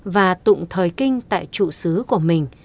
và tụng thời kinh tại trụ sứ của mình